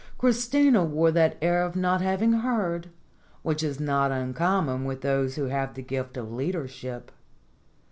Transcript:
Christina wore that air of not having heard, which is not uncommon with those who have the gift of leadership.